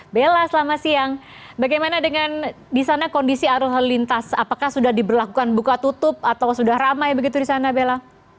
bella selamat siang bagaimana dengan di sana kondisi arus lintas apakah sudah diberlakukan buka tutup atau sudah ramai begitu di sana bella